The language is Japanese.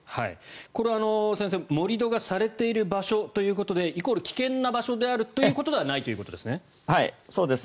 これは先生盛り土がされている場所ということでイコール危険な場所であるということではないということですね？